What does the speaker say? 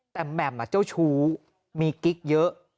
แต่แหม่มเจ้าชู้มีกิ๊กเยอะ